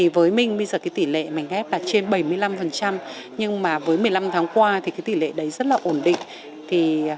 với minh bây giờ tỷ lệ mảnh ghép là trên bảy mươi năm nhưng với một mươi năm tháng qua thì tỷ lệ đấy rất là ổn định